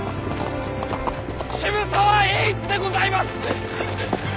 渋沢栄一でございます！